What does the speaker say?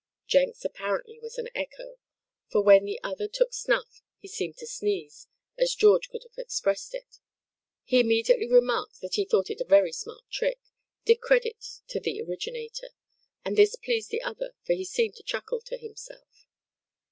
Jenks apparently was an echo, for when the other took snuff he seemed to sneeze, as George could have expressed it. He immediately remarked that he thought it a very smart trick, did credit to the originator; and this pleased the other for he seemed to chuckle to himself.